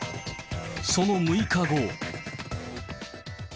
その６日後。